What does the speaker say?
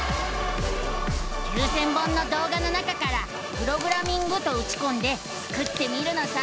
９，０００本の動画の中から「プログラミング」とうちこんでスクってみるのさ！